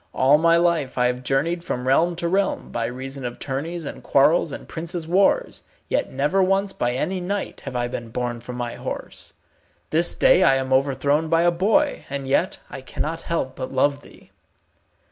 All my life I have journeyed from realm to realm, by reason of tourneys and quarrels and princes' wars, yet never once by any knight have I been borne from my horse. This day I am overthrown by a boy, and yet I cannot help but love thee."